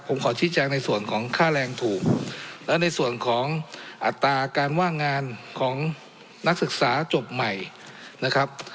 ผมขอชี้แจงในส่วนของค่าแรงถูกและในส่วนของอัตราการว่างงานของนักศึกษาจบใหม่นะครับ